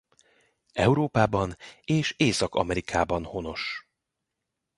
Európában és Észak-Amerikában honos.